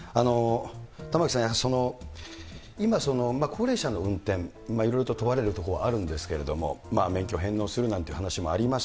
玉城さん、今、高齢者の運転、いろいろと問われるところはあるんですけれども、免許返納するなんて話もあります。